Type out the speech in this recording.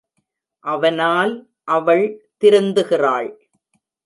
அவனால் அவள் திருந்துகிறாள்.